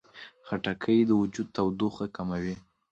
خټکی د وجود تودوخه کموي.